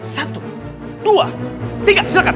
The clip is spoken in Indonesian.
satu dua tiga silahkan